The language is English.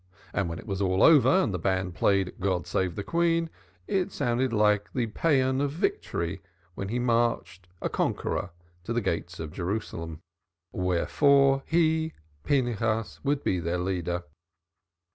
And when it was all over and the band played "God save the Queen," it sounded like the paean of victory when he marched, a conqueror, to the gates of Jerusalem. Wherefore he, Pinchas, would be their leader.